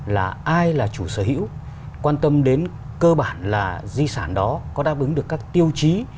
là ai là chủ sở hữu quan tâm đến cơ bản là di sản đó có đáp ứng được các tiêu chí